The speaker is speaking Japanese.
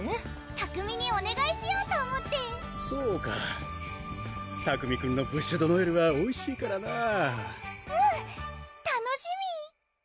拓海におねがいしようと思ってそうか拓海くんのブッシュドノエルはおいしいからなぁうん楽しみ！